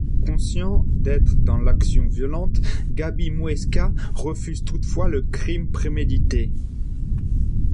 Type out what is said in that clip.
Conscient d'être dans l'action violente, Gabi Mouesca refuse toutefois le crime prémédité.